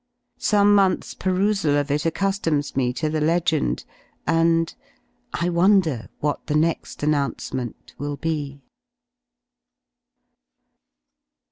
Some month's perusal of it accu^Hioms me to the legend, and — "I wonder what the next announce ment will be."